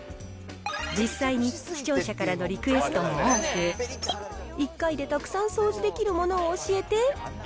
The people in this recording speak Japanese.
実際に視聴者からのリクエストも多く、一回でたくさん掃除できるものを教えて。